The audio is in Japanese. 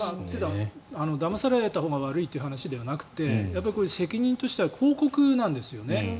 だまされたほうが悪いという話ではなくて責任としては広告なんですよね。